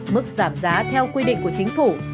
mức giảm giá theo quy định của chính phủ